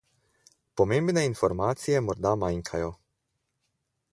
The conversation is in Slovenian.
Pomembne informacije morda manjkajo.